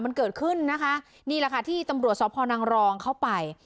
มันเกิดขึ้นนะคะนี่แหละค่ะที่ตำรวจสพนังรองเข้าไป